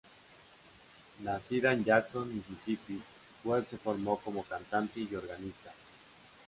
Nacida en Jackson, Misisipi, Wade se formó como cantante y organista.